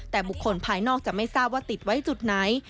แต่บุคคลภายนอกจะไม่ทราบว่าติดไว้จุดไหน